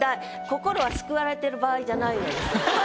心はすくわれてる場合じゃないのです。